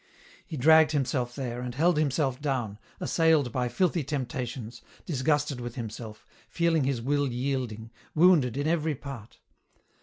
He dragged himself there, and held himself down, assailed by filthy temptations, disgusted with himself, feeling his will 5delding, wounded in every part.